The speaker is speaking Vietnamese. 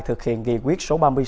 thực hiện nghị quyết số ba mươi sáu